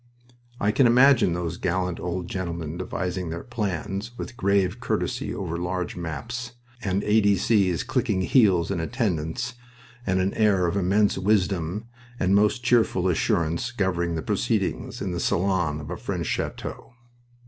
I can imagine those gallant old gentlemen devising their plans, with grave courtesy, over large maps, and A. D. C.'s clicking heels in attendance, and an air of immense wisdom and most cheerful assurance governing the proceedings in the salon of a French chateau.